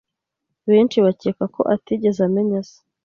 Benshi bakeka ko atigeze amenya se